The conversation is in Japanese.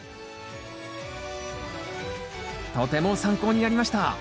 とても参考になりました。